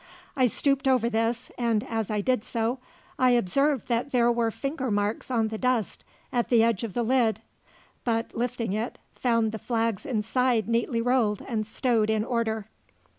I stooped over this, and as I did so I observed that there were finger marks on the dust at the edge of the lid; but, lifting it, found the flags inside neatly rolled and stowed in order.